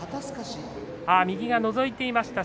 右がのぞいていました。